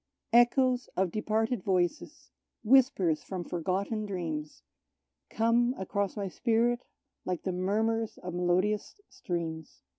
Echoes of departed voices, whispers from forgotten dreams, Come across my spirit, like the murmurs of melodious streams.